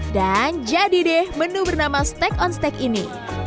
dan jadi deh menu bernama steak on steak ini